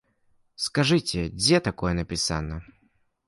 Скажыце, дзе такое напісана?